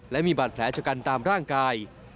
และมีบาดแผลชะกันตามร่างกาย